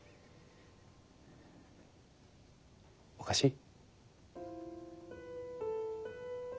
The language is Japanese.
おかしい？